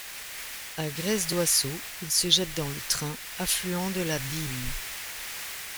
À Grez-Doiceau, il se jette dans le Train, affluent de la Dyle.